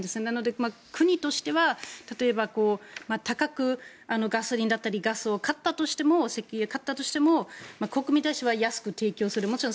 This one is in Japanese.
なので、国としては例えば高くガソリンだったりガス石油を買ったとしても国民に対しては安く提供する。